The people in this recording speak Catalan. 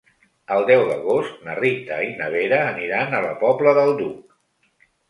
El deu d'agost na Rita i na Vera aniran a la Pobla del Duc.